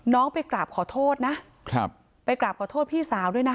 ไปกราบขอโทษนะครับไปกราบขอโทษพี่สาวด้วยนะ